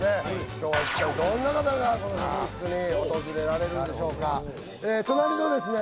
今日は一体どんな方が職員室に訪れられるんでしょうか隣のですね